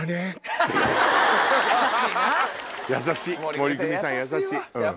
優しいな。